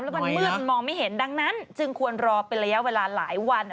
แล้วมันมืดมันมองไม่เห็นดังนั้นจึงควรรอเป็นระยะเวลาหลายวัน